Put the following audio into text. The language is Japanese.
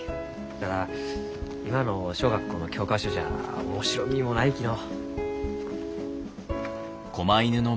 ただ今の小学校の教科書じゃ面白みもないきのう。